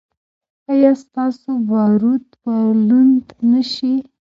ایا ستاسو باروت به لوند نه شي؟